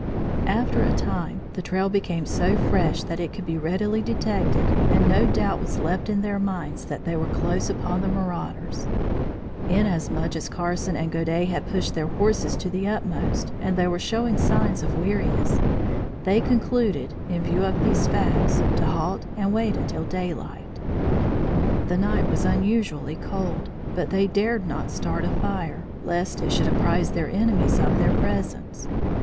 After a time, the trail became so fresh that it could be readily detected and no doubt was left in their minds that they were close upon the marauders. Inasmuch as Carson and Godey had pushed their horses to the utmost, and they were showing signs of weariness, they concluded, in view of these facts, to halt and wait until daylight. The night was unusually cold, but they dared not start a fire, lest it should apprise their enemies of their presence.